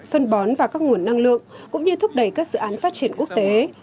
phân bón và các nguồn năng lượng cũng như thúc đẩy các dự án phát triển quốc tế